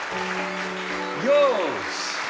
よし！